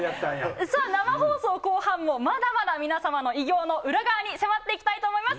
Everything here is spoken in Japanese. さあ、生放送後半も、まだまだ皆様の偉業の裏側に迫っていきたいと思います。